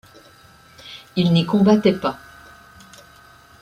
Il n’y combattait pas.